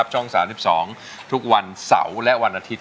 ช่อง๓๒ทุกวันเสาร์และวันอาทิตย